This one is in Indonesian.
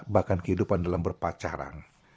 bahkan kehidupan dalam berpacaran